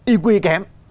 y quy kém